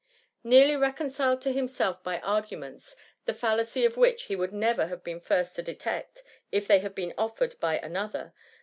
Nearly reconciled to himself by arguments, the fallacy of which he would have been the first to detect, if they had been offered by an other.